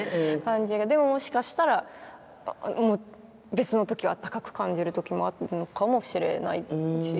でももしかしたら別の時はあったかく感じる時もあるのかもしれないし。